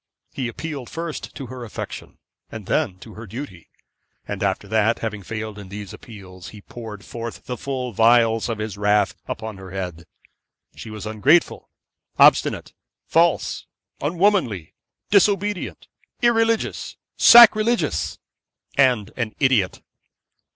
He appealed first to her affection, and then to her duty; and after that, having failed in these appeals, he poured forth the full vials of his wrath upon her head. She was ungrateful, obstinate, false, unwomanly, disobedient, irreligious, sacrilegious, and an idiot.